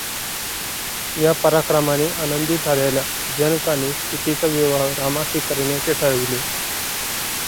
या पराक्रमाने आनंदित झालेल्या जनकाने सीतेचा विवाह रामाशी करण्याचे ठरविले.